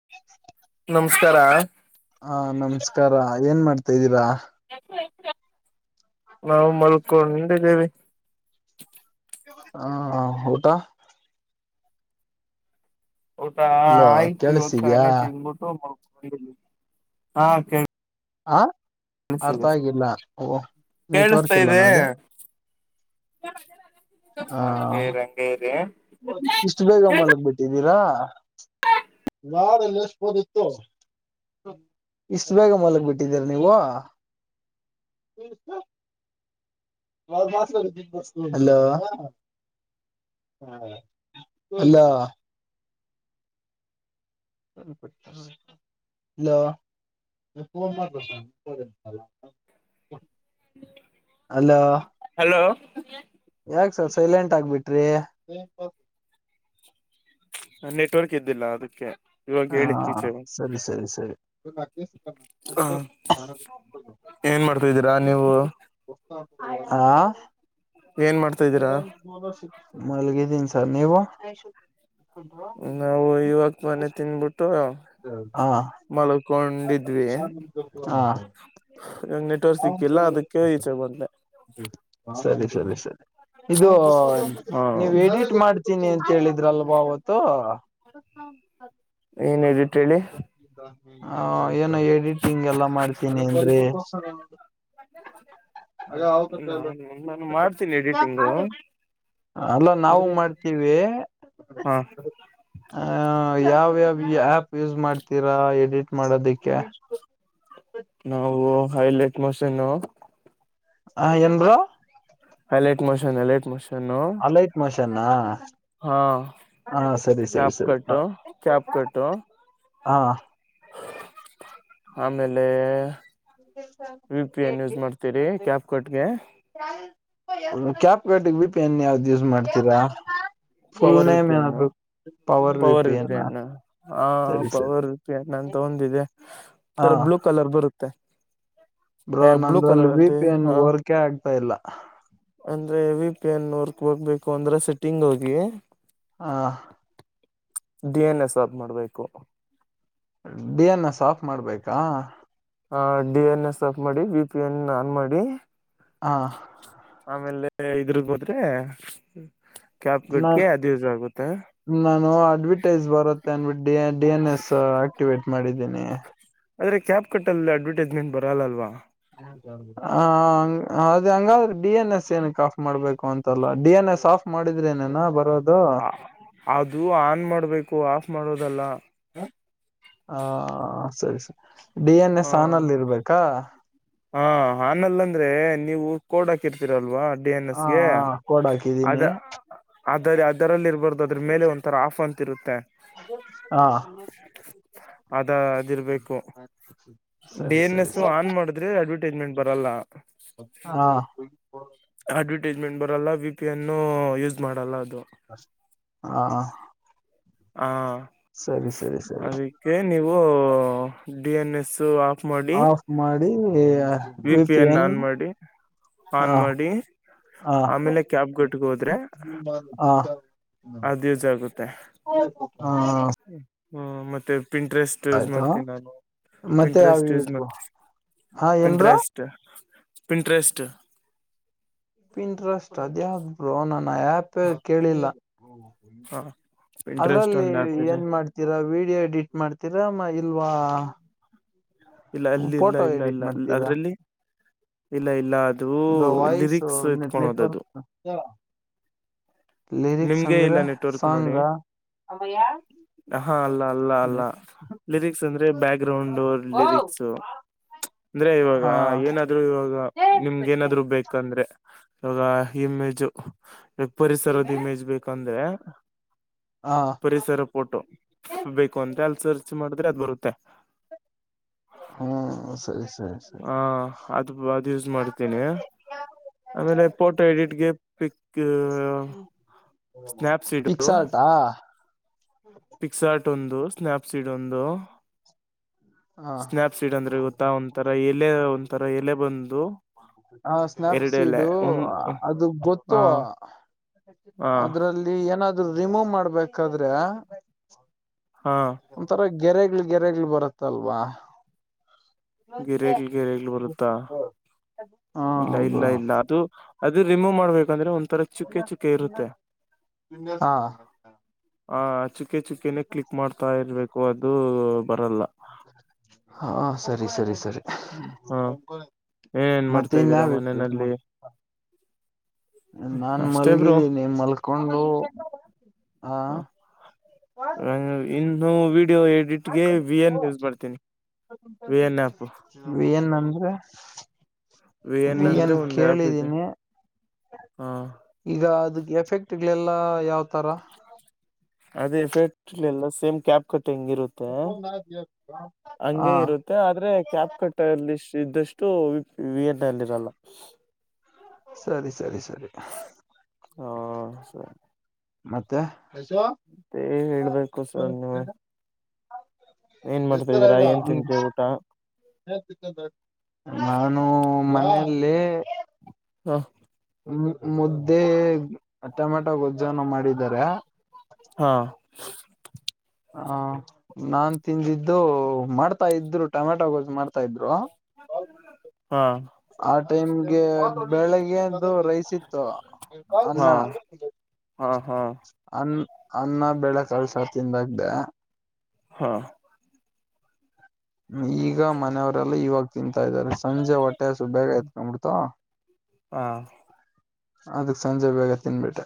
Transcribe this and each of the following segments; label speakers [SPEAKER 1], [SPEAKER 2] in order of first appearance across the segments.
[SPEAKER 1] [unintelligible]
[SPEAKER 2] ನಮ್ಸ್ಕಾರ.
[SPEAKER 1] ಹಾ ನಮಸ್ಕಾರ ಏನ್ ಮಾಡ್ತಾದ್ದೀರಾ.
[SPEAKER 2] ನಾವ್ ಮಲ್ಕೊಂಡಿದಿವಿ.
[SPEAKER 1] ಹಾ ಹ ಊಟ.
[SPEAKER 2] ಊಟಾ
[SPEAKER 1] ಅಲ್ಲ
[SPEAKER 2] ಆಯ್ತು ಇವತ್
[SPEAKER 1] ಕೇಳಿಸ್ತಿದ್ಯಾ
[SPEAKER 2] ತಾನೆ ತಿಂದ್ಬಿಟ್ಟು ಮಲ್ಕೊಂಡಿದಿನಿ ಹ ಕೇಳ್
[SPEAKER 1] ಹ ಅರ್ಥ ಆಗಿಲ್ಲ ಒ ನೆಟ್ವರ್ಕ್ ಇಲ್ಲ ನೋಡಿ. ಆ
[SPEAKER 2] ಮತ್ ಇರಿ ಹಂಗೇರಿ. [unintelligible]
[SPEAKER 1] ಇಸ್ಟ್ ಬೇಗ ಮಲ್ಗ್ ಬಿಟ್ಟಿದ್ದೀರಾ, ನಾನ್ ಎಲೆಶ್ಬೋದಿತ್ತು. ಇಷ್ಟ ಬೇಗ ಮಲಗ್ ಬಿಟ್ಟಿದ್ದೀರ ನೀವು. ಹಲೋ ಹಾ ಹಲೋ. ಹ ಹ ಹಲೋ [unintelligible] ಹಲೋ
[SPEAKER 2] ಹಲೋ
[SPEAKER 1] ಯಾಕ್ಸರ್ ಸೈಲೆಂಟ್ ಆಗ್ಬಿಟ್ರಿ.
[SPEAKER 2] ನೆಟ್ವರ್ಕ್ ಇದ್ದಿಲ್ಲ ಅದಕ್ಕೆ. ಇವಾಗ
[SPEAKER 1] ಹ
[SPEAKER 2] ಹೇಳಿ ಈಚೆ
[SPEAKER 1] ಸರಿ ಸರಿ ಸರಿ.
[SPEAKER 2] ಏನ್ ಮಾಡ್ತಾ ಇದ್ದೀರಾ ನೀವು
[SPEAKER 1] ಆ
[SPEAKER 2] ಏನ್ ಮಾಡ್
[SPEAKER 1] ಮಲ್ಗಿದ್ದಿನ್ ಸರ್ ನೀವು?
[SPEAKER 2] ನಾವು ಇವಾಗ್ತಾನೆ ತಿನ್ಬಿಟ್ಟು
[SPEAKER 1] ಹ
[SPEAKER 2] ಮಲ್ಕೊಂಡಿದ್ವಿ ನೆಟ್ವರ್ಕ್
[SPEAKER 1] ಹ
[SPEAKER 2] ಸಿಕ್ಕಿಲ್ಲ ಅದಕ್ಕೆ ಈಚೆ ಬಂದೆ
[SPEAKER 1] ಸರಿ ಸರಿ ಸರಿ. ಇದು
[SPEAKER 2] ಹಾ
[SPEAKER 1] ನೀವ್ ಎಡಿಟ್ ಮಾಡ್ ತೀನಿ ಅಂತೇಳಿದ್ರಲ್ವ ಅವತ್ತು.
[SPEAKER 2] ಏನ್ ಎಡಿಟ್ ಹೇಳಿ.
[SPEAKER 1] ಹ ಏನೋ ಎಡಿಟಿಂಗ್ ಎಲ್ಲ ಮಾಡ್ತೀನಿ ಅಂದ್ರಿ.
[SPEAKER 2] ನಾನು ನಾನು ಮಾಡ್ತೀನಿ ಎಡಿಟಿಂಗು.
[SPEAKER 1] ಅಲ್ಲ ನಾವು
[SPEAKER 2] ಅಂದ್ರೆ
[SPEAKER 1] ಮಾಡ್ತೀವಿ.
[SPEAKER 2] ಹಾ
[SPEAKER 1] ಆ ಯಾವ್ಯಾವ ಆಪ್ ಯೂಸ್ ಮಾಡ್ತೀರಾ ಎಡಿಟ್ ಮಾಡೋದಿಕ್ಕೆ.
[SPEAKER 2] ನಾವು ಹೈಲೈಟ್ ಮೊಷನು.
[SPEAKER 1] ಹ ಏನ್ bro.
[SPEAKER 2] Highlight motion highlight motion.
[SPEAKER 1] Highlight ಮೋಷನ್ನಾ.
[SPEAKER 2] ಹಾ ಕ್ಯಾಪ್
[SPEAKER 1] ಸರಿ
[SPEAKER 2] ಕಟ್ಟು ಕ್ಯಾಪ್ ಕಟ್ಟು.
[SPEAKER 1] ಹಾ
[SPEAKER 2] ಆಮೇಲೆ ವಿ ಪಿ ನ್ ಯೂಸ್ ಮಾಡ್ತೀರಿ ಕ್ಯಾಪ್ ಕಟ್ಗೆ.
[SPEAKER 1] ಕ್ಯಾಪ್ ಕಟ್ಗೆ ವಿ ಪಿ ನ್ ಯಾವ್ದ್ ಯೂಸ್ ಮಾಡ್ತೀರಾ? ಫುಲ್
[SPEAKER 2] ಪವರ್
[SPEAKER 1] ನೇಮ್
[SPEAKER 2] ರಿಪೇನು
[SPEAKER 1] ಏನಾದ್ರು ವಿ
[SPEAKER 2] ಪವರ್
[SPEAKER 1] ಪಿ ಎನ್
[SPEAKER 2] ರಿಪೇನು ಹ
[SPEAKER 1] ಸರಿ ಸರಿ
[SPEAKER 2] ಪವರ್ ಪ ನಂತ ಒಂದಿದೆ
[SPEAKER 1] ಹಾ
[SPEAKER 2] ತರ ಬ್ಲೂ ಕಲರ್ ಬರುತ್ತೆ.
[SPEAKER 1] ಬ್ರೋ
[SPEAKER 2] ಬ್ಲೂ
[SPEAKER 1] ನನ್ದ್ರಲ್ಲಿ
[SPEAKER 2] ಕಲರ್
[SPEAKER 1] ವಿ
[SPEAKER 2] ಅಂತ
[SPEAKER 1] ಪಿ ಎನ್
[SPEAKER 2] ಹ
[SPEAKER 1] ವರ್ಕೆ ಆಗ್ತಾ ಇಲ್ಲ.
[SPEAKER 2] ಅಂದ್ರೆ ವಿ ಪಿ ಎನ್ ವರ್ಕ್ ಹೋಗ್ಬೇಕು ಅಂದ್ರೆ ಸೆಟ್ಟಿಂಗ್ ಹೋಗಿ.
[SPEAKER 1] ಆ
[SPEAKER 2] ಡಿ ಎನ್ ಎಸ್ ಆಫ್ ಮಾಡ್ಬೇಕು.
[SPEAKER 1] ಡಿಎನ್ಎಸ್ ಆಫ್ ಮಾಡ್ಬೇಕಾ?
[SPEAKER 2] ಆ ಡಿ ಎನ್ ಎಸ್ ಆಫ್ ಮಾಡಿ ಬಿ ಪಿ ಎನ್ ಆನ್ ಮಾಡಿ.
[SPEAKER 1] ಹಾ
[SPEAKER 2] ಆಮೇಲೆ ಇದ್ರ್ಗ್ ಹೋದ್ರೆ ಕ್ಯಾಪ್
[SPEAKER 1] ನಾನ್
[SPEAKER 2] ಕಟ್ಗೆ ಅದು ಯೂಸ್ ಆಗುತ್ತೆ.
[SPEAKER 1] ನಾನು ಅಡ್ವರ್ಟೈಸ್ ಬರುತ್ತೆ ಅಂದ್ಬಿಟ್ಟು D D N S activate ಮಾಡಿದ್ದೀನಿ.
[SPEAKER 2] ಆದ್ರೆ ಕ್ಯಾಪ್ ಕಟ್ಟಲ್ ಅಡ್ವರ್ಟೈಸ್ಮೆಂಟ್ ಬರಲ್ಲ ಅಲ್ವಾ.
[SPEAKER 1] ಹೌದೌದು. ಹ ಹಂಗ ಅದ ಹಂಗಾದ್ರೆ ಡಿ ಎನ್ ಎಸ್ ಏನಕ್ಕೆ ಆಫ್ ಮಾಡ್ಬೇಕು ಅಂತಲ್ಲ ಡಿ ಎನ್ ಎಸ್ ಆಫ್ ಮಾಡಿದ್ರೆನೆನ ಬರೋದು.
[SPEAKER 2] ಅದು ಆನ್ ಮಾಡ್ಬೇಕು ಆಫ್ ಮಾಡೋದಲ್ಲ.
[SPEAKER 1] ಹ ಸರಿ ಸರಿ ಡಿ ಎನ್
[SPEAKER 2] ಹ
[SPEAKER 1] ಎಸ್ ಆನಲ್ಲ್ ಇರ್ಬೇಕಾ?
[SPEAKER 2] ಹ ಆನಲ್ಲಂದ್ರೆ ನೀವು ಕೊಡಕ್ ಕ್ಕರ್ತೀರಲ್ವ ಡಿ ಎನ್
[SPEAKER 1] ಹ
[SPEAKER 2] ಎಸ್ಗೆ ಅ
[SPEAKER 1] ಹ ಕೋಡ್ ಹಾಕಿದ್ದೀನಿ
[SPEAKER 2] ಅದ್ ಅದರಲ್ಲಿ ಇರ್ಬಾರ್ದು. ಅದ್ರ ಮೇಲೆ ಒಂಥರ ಆಫ್ ಅಂತ ಇರುತ್ತೆ.
[SPEAKER 1] ಹಾ
[SPEAKER 2] ಅದ ಅದಿರ್ಬೇಕು.
[SPEAKER 1] [unintelligible]
[SPEAKER 2] ಡಿ ಎನ್
[SPEAKER 1] ಸರಿ
[SPEAKER 2] ಎಸ್ ಆನ್
[SPEAKER 1] ಸರಿ
[SPEAKER 2] ಮಾಡಿದ್ರೆ ಅಡ್ವರ್ಟೈಸ್ಮೆಂಟ್ ಬರಲ್ಲ.
[SPEAKER 1] ಹಾ
[SPEAKER 2] ಅಡ್ವರ್ಟೈಸ್ಮೆಂಟ್ ಬರಲ್ಲ ವಿಪಿನ್ನು ಯೂಸ್ ಮಾಡಲ್ಲ ಅದು.
[SPEAKER 1] ಹಾ.
[SPEAKER 2] ಹಾ
[SPEAKER 1] ಸರಿ ಸರಿ ಸರಿ.
[SPEAKER 2] ಕೆ ನೀವು ಡಿ ಎನ್ ಎಸ್ ಆ
[SPEAKER 1] ಆಫ್ ಮಾಡಿ.
[SPEAKER 2] ವಿ ಪಿ ಎನ್ ಆನ್ ಮಾಡಿ.
[SPEAKER 1] ಹ
[SPEAKER 2] ಆನ್ ಮಾಡಿ
[SPEAKER 1] ಹ
[SPEAKER 2] ಆಮೇಲೆ ಕ್ಯಾಬ್ ಗಿಟ್ಗ ಹೋದ್ರೆ. ಅದ್ ಯೂಸ್ ಆಗುತ್ತೆ.
[SPEAKER 1] ಹಾ
[SPEAKER 2] ಹ್ಮ ಮತ್ತೆ ಪಿಂಟ್ರೆಸ್ಟ್ ಟು ಯೂಸ್
[SPEAKER 1] ಆಯ್ತು
[SPEAKER 2] ಮಾಡ್ತೀನ್ ನಾನು
[SPEAKER 1] ಮತ್ತೆ
[SPEAKER 2] ಪಿಂಟ್ರೆಸ್ಟ್ ಇ
[SPEAKER 1] ಯಾವ ಹಾ ಏನ್ ಬ್ರೋ
[SPEAKER 2] ಪಿಂಟ್ರೆಸ್ ಪಿನ್ಟ್ರೆಸ್ಟ್.
[SPEAKER 1] ಪಿಂಟ್ರೆಸ್ಟ್ ಅದ್ಯಾವ್ದ್ ಬ್ರೊ ನನ್ ಆ್ಯಪೆ ಕೇಳಿಲ್ಲ.
[SPEAKER 2] ಹಾ ಪಿಂಟ್ರೆಸ್ಟ್
[SPEAKER 1] ಅದ್ರಲ್ಲಿ
[SPEAKER 2] ಒಂದ್ ಆ್ಯಪ್ ಇದೆ
[SPEAKER 1] ಏನ್ ಮಾಡ್ ತಿರ ವೀಡಿಯೋ ಎಡಿಟ್ ಮಾಡ್ತೀರಾ ಮಾ ಇಲ್ವಾ.
[SPEAKER 2] ಇಲ್ಲ ಅಲ್ಲಿ ಇಲ್ಲ
[SPEAKER 1] ಫೋಟೋ
[SPEAKER 2] ಇಲ್ಲ
[SPEAKER 1] ಎಡಿಟ್
[SPEAKER 2] ಇಲ್ಲ
[SPEAKER 1] ಮಾಡ್ತೀರಾ
[SPEAKER 2] ಅದ್ರಲ್ಲಿ. ಇಲ್ಲ ಇಲ್ಲ ಅದು ಲಿರಿಕ್ಸ್ ಇತ್ಕೊಂಣದದು.
[SPEAKER 1] ದೊ ಲಿರಿಕ್ಸ್
[SPEAKER 2] ನಿಮ್ಗೆ ಇಲ್ಲ
[SPEAKER 1] ಅಂದ್ರೆ
[SPEAKER 2] ನೆಟ್ವರ್ಕ್ ನೋಡಿ
[SPEAKER 1] ಸೊಂಗ.
[SPEAKER 2] ಹಾ ಅಲ್ಲ ಅಲ್ಲ ಅಲ್ಲ ಲಿರಿಕ್ಸ್ ಅಂದ್ರೆ ಬ್ಯಾಕ್ ಗ್ರೌಂಡ್ ಲಿರಿಕ್ಸು. ಅಂದ್ರೆ ಇವಾಗ
[SPEAKER 1] ಹಾ
[SPEAKER 2] ಏನಾದ್ರು ಇವಾಗ ನಿಮ್ಗ ಏನಾದ್ರು ಬೇಕಂದ್ರೆ. ಇವಾಗ ಇಮೇಜು ಇವಾಗ್ ಪರಿಸರದ್ ಇಮೇಜ್ ಬೇಕಂದ್ರೆ.
[SPEAKER 1] ಹಾ
[SPEAKER 2] ಪರಿಸರ ಫೋಟೋ ಬೇಕು ಅಂದ್ರೆ ಅಲ್ ಸರ್ಚ್ ಮಾಡಿದ್ರೆ ಅದ್ ಬರುತ್ತೆ.
[SPEAKER 1] ಹ್ಮ ಸರಿ ಸರಿ. ಸರಿ
[SPEAKER 2] ಹಾ ಅದ್ ಅದ್ ಯೂಸ್ ಮಾಡ್ತಿನಿ. ಆಮೇಲೆ ಫೋಟೋ ಎಡಿಟ್ಗೆ ಪಿಕ್ ಸ್ನ್ಯಾಪ್ಸಿ ಹಿಡ್ದು.
[SPEAKER 1] ಹಾ
[SPEAKER 2] ಪಿಕ್ಸ ಆರ್ಟ್ ಒಂದು ಸ್ನಾಯಪ್ಸೀಡ್ ಒಂದು.
[SPEAKER 1] ಹ
[SPEAKER 2] ಸ್ನಪ್ ಸೀಡ್ ಅಂದ್ರೆ ಗೊತ್ತಾ ಒಂಥರ ಎಲೆ ಒಂಥರ ಎಲೆ ಬಂದು.
[SPEAKER 1] ಹ
[SPEAKER 2] ಎರಡೆಲೆ
[SPEAKER 1] ಸ್ನಾಯಪ್ಸೀಡು
[SPEAKER 2] ಒಂದ್
[SPEAKER 1] ಅದು
[SPEAKER 2] ಹ
[SPEAKER 1] ಗೊತ್ತು
[SPEAKER 2] ಹಾ
[SPEAKER 1] ಅದ್ರಲ್ಲಿ ಏನಾದ್ರು ರಿಮೂವ್ ಮಾಡ್ಬೇಕಾದ್ರೆ.
[SPEAKER 2] ಹಾ
[SPEAKER 1] ಒಂಥರ ಗೆರೆಗ್ಗಳ್ ಗೆರೆಗ್ಗಳ್ ಬರುತ್ತಲ್ವಾ.
[SPEAKER 2] ಗೆರಗ್ಲ್ ಗೆರೆಗ್ಗಳು ಬರುತ್ತಾ
[SPEAKER 1] ಹ
[SPEAKER 2] ಇಲ್ಲ
[SPEAKER 1] ಹೌದು
[SPEAKER 2] ಇಲ್ಲ ಇಲ್ಲ ಅದು ಅದು ರಿಮೂವ್ ಮಾಡ್ಬೇಕಂದ್ರೆ ಒಂಥರ ಚುಕ್ಕೆ ಚುಕ್ಕೆ ಇರುತ್ತೆ.
[SPEAKER 1] ಹಾ
[SPEAKER 2] ಹ ಚುಕ್ಕೆ ಚುಕ್ಕೆನೆ ಕ್ಲಿಕ್ ಮಾಡ್ತಾ ಇರ್ಬೇಕು ಅದು ಬರಲ್ಲ.
[SPEAKER 1] ಹಾ ಸರಿ ಸರಿ ಸರಿ.
[SPEAKER 2] ಹ ಏನ್ ಮಾಡ್ತಾ ಇದ್ದೀರಾ
[SPEAKER 1] ಮತಿನ್ಯಾವ್ ಯೂಸ್
[SPEAKER 2] ಮನೆಯಲ್ಲಿ
[SPEAKER 1] ಮಾಡ್ತಿಪ. ನಾನ್
[SPEAKER 2] ಅಷ್ಟೇ ಬ್ರೋ
[SPEAKER 1] ಮಲ್ಗಿದ್ದೀನಿ ಮಲ್ಕೊಂಡು ಹಾ.
[SPEAKER 2] ಹ ಇನ್ನು ವಿಡಿಯೋ ಎಡಿಟ್ಗೆ ವಿ ಎನ್ ಯೂಸ್ ಮಾಡ್ತೀನಿ V N app.
[SPEAKER 1] V N ಅಂದ್ರೆ? ವಿ
[SPEAKER 2] ಅಂದ್ರೆ
[SPEAKER 1] ಎನ್
[SPEAKER 2] ಒಂದ್ ಆ್ಯಪ್ ಇದೆ
[SPEAKER 1] ಕೇಳಿದೀನಿ.
[SPEAKER 2] ಹ
[SPEAKER 1] ಈಗ ಅದಕ್ಕ್ ಎಫೆಕ್ಟ್ಗಳೆಲ್ಲ ಯಾವ್ತರ?
[SPEAKER 2] ಅದೇ ಎಫೆಕ್ಟ್ಗಳೆಲ್ಲ ಸೇಮ್ ಕ್ಯಾಪ್ ಕಟ್ಟಿಂಗಿರುತ್ತ್
[SPEAKER 1] ಹ
[SPEAKER 2] ಮತ್ತೆ ಆದ್ರೆ ಕ್ಯಾಪ್ಕಟ್ಟಲ್ಲಿ ಇದ್ದಷ್ಟು ವಿ ಎನ್ನಲ್ಲಿ ಇರಲ್ಲ.
[SPEAKER 1] ಸರಿ ಸರಿ ಸರಿ
[SPEAKER 2] ಹ ಸರಿ.
[SPEAKER 1] ಮತ್ತೆ ಐಸು.
[SPEAKER 2] ಮತ್ತೆ ಹೇಳ್ಬೇಕು ಸರ್ ನೀವೆ ಇದೀರಾ ಏನ್ ತಿಂತೆ ಊಟ
[SPEAKER 1] [unintelligible] ನಾನು ಮನೆಲ್ಲಿ.
[SPEAKER 2] ಹಾ
[SPEAKER 1] ಮುದ್ದೆ ಟೊಮೆಟೊ ಗೊಜ್ಜೇನೋ ಮಾಡಿದಾರೆ.
[SPEAKER 2] ಹಾ
[SPEAKER 1] ಹಾ ನಾನ್ ತಿಂದಿದ್ದು ಮಾಡ್ತಾ ಇದ್ರು ಟೊಮೆಟೊ ಗೋಜ್ಜ್ ಮಾಡ್ತಾ ಇದ್ರು.
[SPEAKER 2] ಹಾ
[SPEAKER 1] ಆ ಟೈಮ್ಗೆ ಬೆಳಗ್ಗೆದು ರೈಸ್ ಇತ್ತು ಅನ್ನ.
[SPEAKER 2] ಹಾ ಹಾ ಹಾ
[SPEAKER 1] ಅನ್ನ ಅನ್ನ ಬೆಳೆ ಕಾಳ್ ಸಾರ್ ತಿಂದಗ
[SPEAKER 2] ಹಾ
[SPEAKER 1] ಈಗ ಮನೆಯವರೆಲ್ಲ ಇವಾಗ್ ತಿಂತಾ ಇದ್ದಾರೆ ಸಂಜೆ ಹೊಟ್ಟೆ ಅಸು ಬೇಗ ಆತ್ಕಬಿಡ್ತವ್.
[SPEAKER 2] ಹಾ
[SPEAKER 1] ಅದಕ್ ಸಂಜೆ ಬೇಗ ತಿನ್ಬಿಟ್ಟೆ.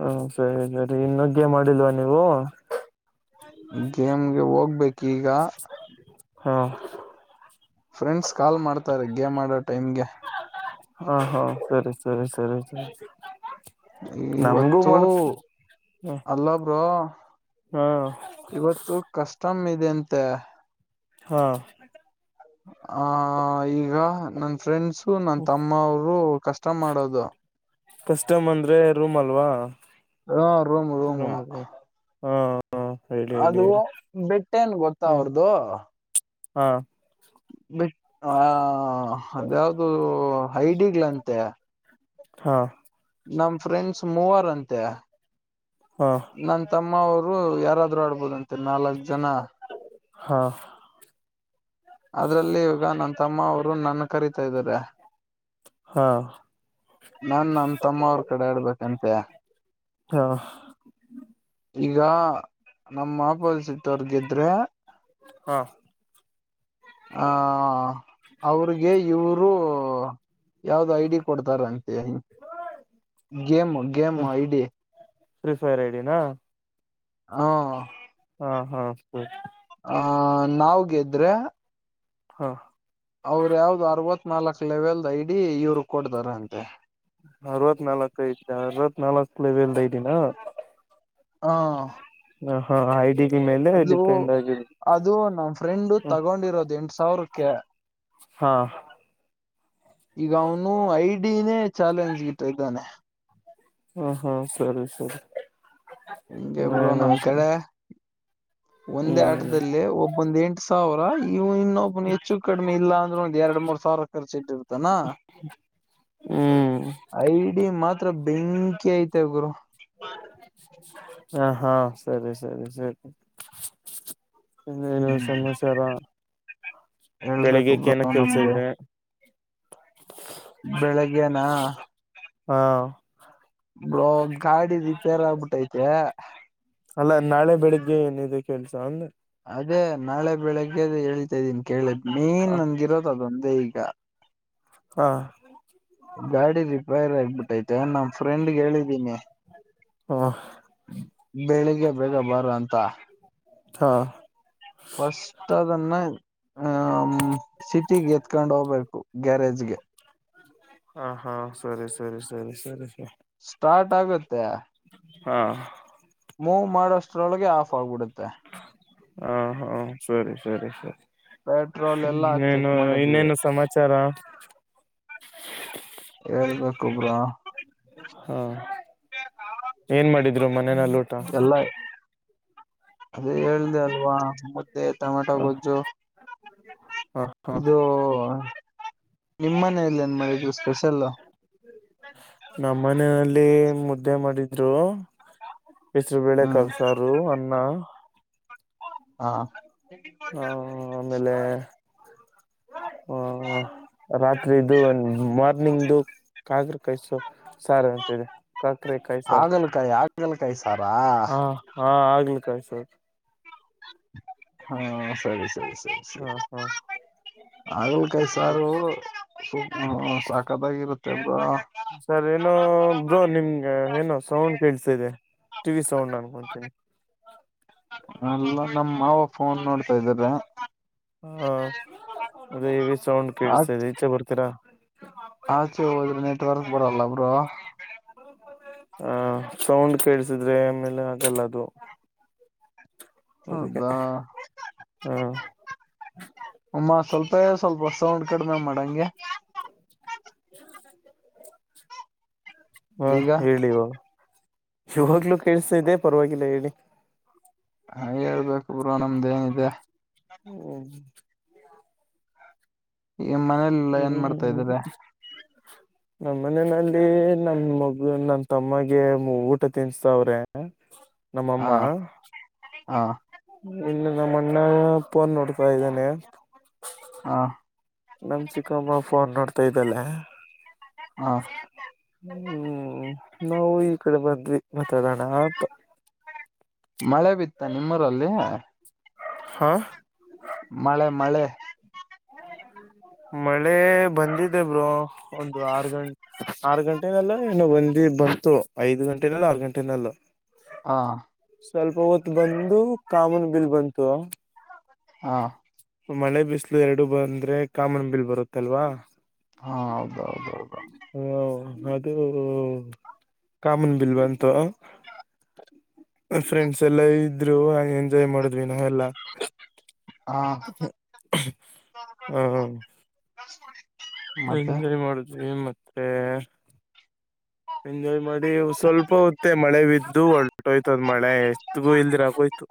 [SPEAKER 2] ಹಾ ಸರಿ ಸರಿ ಇನ್ನೊ ಗೇಮಾಡಿಲ್ವಾ ನೀವು?
[SPEAKER 1] ಗೇಮ್ಗೆ ಹೋಗ್ಬೇಕ್ ಈಗ.
[SPEAKER 2] ಹಾ
[SPEAKER 1] ಫ್ರೆಂಡ್ಸ್ ಕಾಲ್ ಮಾಡ್ತಾರೆ ಗೇಮ್ ಆಡೋ ಟೈಮ್ಗೆ.
[SPEAKER 2] ಹಾ ಹಾ ಸರಿ ಸರಿ ಸರಿ ಸರಿ. ನಮಗೂ
[SPEAKER 1] ಇವತ್ತು
[SPEAKER 2] ಮಾಡ
[SPEAKER 1] ಅಲ್ಲ ಬ್ರೊ.
[SPEAKER 2] ಹಾ
[SPEAKER 1] ಇವತ್ತು ಕಸ್ಟಮ್ ಇದೆಯಂತೆ.
[SPEAKER 2] ಹಾ
[SPEAKER 1] ಆ ಈಗ ನನ್ ಫ್ರೆಂಡ್ಸು ನನ್ ತಮ್ಮ ಅವರು ಕಷ್ಟಮ್ ಮಾಡೋದು.
[SPEAKER 2] ಕಸ್ಟಮ್ ಅಂದ್ರೆ ರೂಮ್ ಅಲ್ವಾ
[SPEAKER 1] ಹ ರೂಮ್ ರೂಮ್
[SPEAKER 2] ರೂಂ ಹಾ. ಹೇಳಿ ಹೇಳಿ
[SPEAKER 1] ಅದು
[SPEAKER 2] ಹೇಳಿ
[SPEAKER 1] ಬೆಟ್ಟೇನ್ ಗೊತ್ತ
[SPEAKER 2] ಹ್ಮ್
[SPEAKER 1] ಅವ್ರ್ದು?
[SPEAKER 2] ಹಾ
[SPEAKER 1] ಬಿಟ್ ಆ ಅದಾಯ್ದು ಐಡಿಗ್ಳಂತೆ.
[SPEAKER 2] ಹಾ
[SPEAKER 1] ನಮ್ ಫ್ರೆಂಡ್ಸ್ ಮೂವರಂತೆ.
[SPEAKER 2] ಹಾ
[SPEAKER 1] ನನ್ನ ತಮ್ಮವರು ಯಾರಾದ್ರೂ ಆಡ್ಬೋದಂತೆ ನಾಲ್ಕು ಜನ.
[SPEAKER 2] ಹಾ
[SPEAKER 1] ಅದ್ರಲ್ಲಿ ಈವಾಗ ನನ್ ತಮ್ಮ ಅವರು ನನಗ್ ಕರೀತಇದ್ದಾರೆ.
[SPEAKER 2] ಹಾ.
[SPEAKER 1] ನಾ ನಮ್ಮ ತಮ್ಮ ಅವ್ರ ಕಡೆ ಇಡಬೇಕಂತೆ
[SPEAKER 2] ಹಾ.
[SPEAKER 1] ಈಗ ನಮ್ಮ ಮಾಪಲ್ಸಟ್ಟವರ್ದ ಗೆದ್ರೆ
[SPEAKER 2] ಹಾ.
[SPEAKER 1] ಆ ಅವ್ರಿಗೆ ಇವರು ಯಾವ್ದು ಐ ಡಿ ಕೊಡ್ತಾರ ಅಂತೆ game game I D.
[SPEAKER 2] Prepare I D ನಾ?
[SPEAKER 1] ಹ್ಮ್.
[SPEAKER 2] ಹಾ ಹಾ ಸರಿ.
[SPEAKER 1] ಹಾ ನಾವ್ ಗೆದ್ರೆ
[SPEAKER 2] ಹ.
[SPEAKER 1] ಅವರು ಯಾವ್ದು ಅರವತ್ ನಾಲ್ಕಕ್ ಲೆವೆಲ್ ದ ಐಡಿ ಇವರು ಕೊಡ್ತಾರಂತೆ.
[SPEAKER 2] ಅರವತ್ನಾಲ್ಕು ಐತೆ ಅರವತ್ನಾಲ್ಕು -
[SPEAKER 1] ಹ
[SPEAKER 2] [unintelligible] ಐ ಡಿ ಹಾ ಹಾ ಐ ಡಿ ನಿಮೇಲೆ
[SPEAKER 1] ಅದು
[SPEAKER 2] ಡಿಪೆಂಡ್ ಆಗಿದೆ.
[SPEAKER 1] ಅದು ನಮ್ ಫ್ರೆಂಡ್ ತಗೊಂಡಿರೋದು ಎಂಟ ಸಾವಿರಕ್ಕೆ
[SPEAKER 2] ಹಾ.
[SPEAKER 1] ಈಗ ಅವನು ಐಡಿನೇ ಚಾಲೆಂಜ್ ಗಿಟ್ಟ ಇದ್ದಾನೆ.
[SPEAKER 2] ಹ ಹೂ ಸರಿ ಸರಿ.
[SPEAKER 1] ಹೆಂಗೆ ಬ್ರೋ
[SPEAKER 2] ಏನು
[SPEAKER 1] ನಮ್ ಕಡೆ ಒಂದೇ
[SPEAKER 2] ಹ್ಮ್
[SPEAKER 1] ಆಟದಲ್ಲಿ ಒಬ್ಬೊಂದ ಎಂಟು ಸಾವಿರ ಇವು ಇನ್ನೊಬ್ಬನು ಹೆಚ್ಚು ಕಡಿಮೆ ಇಲ್ಲ ಅಂದ್ರೆ ಒಂದ್ ಎರಡ್ ಮೂರ್ ಸಾವಿರ ಖರ್ಚ ಇಟ್ಟಿರ್ತಾನ.
[SPEAKER 2] [inaudible]
[SPEAKER 1] ಐಡಿ ಮಾತ್ರ ಬೆಂಕಿ ಐತೆ ಗುರು
[SPEAKER 2] ಹಾ ಹಾ ಸರಿ ಸರಿ ಸರಿ. ಏನು
[SPEAKER 1] ಹ್ಮ್
[SPEAKER 2] ಸಮಾಚಾರ ಬೆಳಿಗ್ಗೆ
[SPEAKER 1] ಹೇಳ್ಬೇಕು
[SPEAKER 2] ಏನ
[SPEAKER 1] ಬ್ರೋ
[SPEAKER 2] ಕೆಲ್ಸ
[SPEAKER 1] ನಮ್ದು
[SPEAKER 2] ಇದೆ?
[SPEAKER 1] ಬೆಳಿಗ್ಗೆನಾ
[SPEAKER 2] ಹಾ.
[SPEAKER 1] ಬ್ರೋ ಗಾಡಿ ರಿಪೇರ್ ಆಗ್ಬಿಟ್ಟೈತೆ.
[SPEAKER 2] ಅಲ್ಲಾ ನಾಳೆ ಬೆಳಿಗ್ಗೆ ಏನಿದೆ ಕೆಲ್ಸ ಅಂದೆ.
[SPEAKER 1] ಅದೇ ನಾಳೆ ಬೆಳಿಗ್ಗೆದ ಹೇಳ್ತಾ ಇದ್ದೀನಿ ಕೇಳಿದ್ ಮೇನ್
[SPEAKER 2] ಹ
[SPEAKER 1] ನಂಗಿರೋದ ಅದೊಂದೇ ಈಗ
[SPEAKER 2] ಹಾ.
[SPEAKER 1] ಗಾಡಿ ರಿಪೈರ್ ಆಗ್ಬಿಟ್ಟೈತೆ ನಮ್ಮ ಫ್ರೆಂಡ್ಗೆ ಹೇಳಿದ್ದೀನಿ.
[SPEAKER 2] ಹ
[SPEAKER 1] ಬೆಳಿಗ್ಗೆ ಬೇಗ ಬಾರೋ ಅಂತ -
[SPEAKER 2] ಹಾ.
[SPEAKER 1] ಫಸ್ಟ್ ಅದನ್ನ ಹ್ಮ್. ಸಿಟಿಗೆ ಎತ್ಕೊಂಡ್ ಹೋಗ್ಬೇಕು ಗ್ಯಾರೇಜ್ಗೆ
[SPEAKER 2] ಹ ಹಾ ಸರಿ ಸರಿ ಸರಿ ಸರಿ ಸರಿ.
[SPEAKER 1] ಸ್ಟಾರ್ಟ್ ಆಗತ್ತೆ.
[SPEAKER 2] ಹಾ.
[SPEAKER 1] ಮೂವ್ ಮಾಡಷ್ಟ್ರೊಳಗೆ ಆಫ್ ಆಗ್ಬಿಡುತ್ತೆ.
[SPEAKER 2] ಹಾ ಹಾ ಸರಿ ಸರಿ ಸರಿ.
[SPEAKER 1] ಪೆಟ್ರೋಲ್ ಎಲ್ಲಾ
[SPEAKER 2] ನೀ
[SPEAKER 1] ಚೆಕ್
[SPEAKER 2] ಏನು
[SPEAKER 1] ಮಾಡಿದ್ವಿ
[SPEAKER 2] ಇನ್ನೇನು ಸಮಾಚಾರ
[SPEAKER 1] ಹೇಳ್ಬೇಕು ಬ್ರೋ.
[SPEAKER 2] ಹಾ ಏನ್ ಮಾಡಿದ್ರು ಮನೇನಲ್ಲ ಊಟಾ
[SPEAKER 1] ಎಲ್ಲ ಅದೇ ಹೇಳ್ದ ಅಲ್ವಾ ಮುದ್ದೆ ಟೊಮೆಟೊ
[SPEAKER 2] ಹ
[SPEAKER 1] ಗೊಜ್ಜು
[SPEAKER 2] ಹ ಹ
[SPEAKER 1] ಇದು ನಿಮ್ಮನೆಯಲ್ಲಿನ್ ಮಾಡಿದರು ಸ್ಪೆಷಲ್
[SPEAKER 2] ನಮ್ಮ ಮನೆಯಲ್ಲಿ ಮುದ್ದೆ ಮಾಡಿದ್ರು ಹೆಸರು ಬೇಳೆ
[SPEAKER 1] ಹ್ಮ್
[SPEAKER 2] ಕಾಳ ಸಾರು ಅನ್ನಾ
[SPEAKER 1] ಹಾ
[SPEAKER 2] ಹಾ ಆಮೇಲೆ ಹ ರಾತ್ರಿ ಇದು ಒಂದ ಮತ್ತ ನಿಂದು ಕಾಕರೆೆ ಕಾಕರೆಕಾಯಿ ಸಾರು ಅಂತದೆ ಕಾಕರೆ ಕಾಯಿಸಾ
[SPEAKER 1] ಹಾಗಲ್ ಕಾಯಿ ಹಾಗಲಕಾಯಿ ಹಾಗಲಕಾಯಿ ಸಾರಾ
[SPEAKER 2] ಹಾ ಹಾ ಹಾಗಲಕಾಯಿ ಸಾರ್
[SPEAKER 1] ಹಾ ಸರಿ ಸರಿರಿ
[SPEAKER 2] ಹ್ಮ ಹ್ಮ್
[SPEAKER 1] ಹಾಗಲಕಾಯಿ ಸಾರು ಸಾಕದಾಗಿರುತ್ತೆ ಅಂದ್ರ [unintelligible]
[SPEAKER 2] ಸರ್ ಏನೋ ಬ್ರೋ ನಿಮ್ಗೆ ಏನ ಸೌಂಡ್ ಕಳ್ಸ ಇದೆ ಟಿವಿ ಸೌಂಡ್ ಅನ್ಕೊತೀನಿ
[SPEAKER 1] ಅಲ್ಲ ನಮ್ಮ ಮಾವ ಫೋನ್ ನೋಡ್ತಾ ಇದ್ದ್ರ
[SPEAKER 2] ಹಾ ಅದ ಹೆವಿ ಸೌಂಡ್ ಕೇಳಸ್ತದೆ ಈಚೆ ಬರ್ತೀರಾ
[SPEAKER 1] ಆಚೆ ಹೋದ್ರೆ ನೆಟ್ವರ್ಕ್ ಬರಲ್ಲ ಬ್ರು
[SPEAKER 2] [unintelligible] ಹ ಸೌಂಡ್ ಕೇಳಸಿದ್ರೆ ಆಮೇಲೆ ಆಗಲ್ಲ ಅದು ಅದಕ್ಕೆ ಹ
[SPEAKER 1] [unintelligible] ಅಮ್ಮ ಸ್ವಲ್ಪೇ ಸ್ವಲ್ಪ ಸೌಂಡ್ ಕಡಿಮೆ ಮಾಡಂಗೆ
[SPEAKER 2] ಹ್ಮ
[SPEAKER 1] ಈಗ
[SPEAKER 2] ಹೇಳಿ ಇವಾಗ ಇವಾಗ್ಲೂ ಕೇಳಿಸತಾ ಇದೆ ಪರವಾಗಿಲ್ಲ ಹೇಳಿ
[SPEAKER 1] ಹ ಹೇಳ್ಬೇಕು ಬ್ರೋ ನಮ್ದ ಏನಿದೆ
[SPEAKER 2] ಹ್ಮ
[SPEAKER 1] ಈ ಮನೇಲೆ ಏನ್ ಮಾಡ್ತಾ
[SPEAKER 2] ಹ್ಮ್
[SPEAKER 1] ಇದ್ದಿರಾ
[SPEAKER 2] ನಮ್ಮ ಮನೆಯಲ್ಲಿ ನಮ ಮಗಳ ನನ್ ತಮ್ಮಗೆ ಊಟ ತಿನ್ಸ್ತಾವ್ರೆ ನಮ್ಮಮ್ಮ
[SPEAKER 1] ಹಾ
[SPEAKER 2] ಇನ್ನು ನಮ್ಮ ಅಣ್ಣ ಪೋನ್ ನೋಡ್ತಾ ಇದ್ದನೆೆ
[SPEAKER 1] ಹಾ
[SPEAKER 2] ನಮ್ಮ ಚಿಕ್ಕಮ್ಮ ಫೋನ್ ನೋಡ್ತಾ ಇದ್ದಾಳೆ.
[SPEAKER 1] [unintelligible] ಹಾ
[SPEAKER 2] ಹ್ಮ್ ನಾವು ಈ ಕಡೆ ಬಂದ್ವಿ ಮಾತಡಣ ಅಂತ.
[SPEAKER 1] ಮಳೆ ಬಿತ್ತ ನಿಮ್ಮೂರಲ್ಲಿ
[SPEAKER 2] ಹಾ
[SPEAKER 1] ಮಳೆ ಮಳೆ
[SPEAKER 2] ಮಳೆ ಬಂದಿದೆ ಬ್ರೋ ಒಂದು ಆರು ಗಂಟೆ ಆರ್ ಗಂಟೆನಲ್ಲ ಏನು ಬಂದಿ ಬಂತು ಐದ್ ಗಂಟೆನಲ್ಲೋ ಆರ್ ಗಂಟೆನಲ್ಲೋ.
[SPEAKER 1] ಹಾ
[SPEAKER 2] ಸ್ವಲ್ಪ ಹೊತ್ ಬಂದು ಕಾಮೂನ್ ಬಿಲ್ ಬಂತು.
[SPEAKER 1] ಹಾ
[SPEAKER 2] ಮಳೆ ಬಿಸಲು ಎರಡು ಬಂದ್ರೆ ಕಾಮನ್ ಬಿಲ್ ಬರುತ್ತಲ್ವಾ.
[SPEAKER 1] ಹಾ ಹೌದೌದೌದು.
[SPEAKER 2] ಹ ಅದು ಕಾಮನ್ ಬಿಲ್ ಬಂತು. ಫ್ರೆಂಡ್ಸ್ ಎಲ್ಲಾ ಇದ್ರು ಎಂಜಾಯ್ ಮಾಡಿದ್ವಿ ನಾವೇಲ್ಲಾ.
[SPEAKER 1] ಹಾ
[SPEAKER 2] ಹ
[SPEAKER 1] [unintelligible] ಮತ್ತೆ
[SPEAKER 2] ಎಂಜಾಯ್ ಮಾಡಿದ್ವಿ ಮತ್ತೆ ಎಂಜಾಯ್ ಮಾಡಿ ಸ್ವಲ್ಪ ಹೊತ್ತೆ ಮಳೆ ಬಿದ್ದು ಒ ಟ್ಟೋಯ್ತದ ಮಳೆ ಎತ್ಗೂ ಇಲ್ದಿರಾಗೋಯ್ತು.